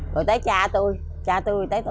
rồi tới cha tôi cha tôi tới tôi